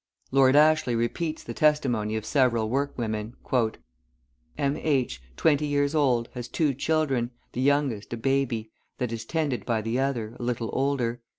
Lord Ashley repeats the testimony of several workwomen: "M. H., twenty years old, has two children, the youngest a baby, that is tended by the other, a little older.